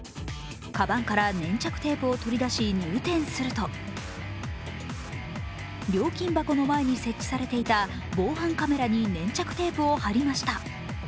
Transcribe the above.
かばんから粘着テープを取り出し入店すると料金箱の前に設置されていた防犯カメラに粘着テープを貼りました。